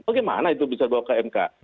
bagaimana itu bisa dibawa ke mk